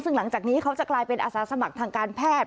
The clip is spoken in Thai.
ซึ่งหลังจากนี้เขาจะกลายเป็นอาสาสมัครทางการแพทย์